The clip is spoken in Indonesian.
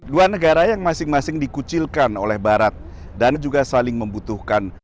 dua negara yang masing masing dikucilkan oleh barat dan juga saling membutuhkan